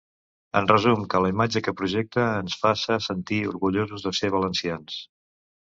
En resum, que la imatge que projecte ens faça sentir orgullosos de ser valencians.